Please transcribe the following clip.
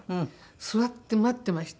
座って待ってました